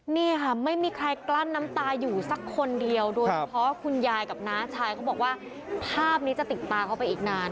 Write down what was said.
นี่ค่ะไม่มีใครกลั้นน้ำตาอยู่สักคนเดียวโดยเฉพาะคุณยายกับน้าชายเขาบอกว่าภาพนี้จะติดตาเขาไปอีกนาน